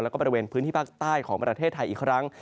แล้วก็บริเวณพื้นที่ภาคใต้ของประเทศไทยอีกครั้ง